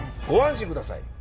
ご安心ください。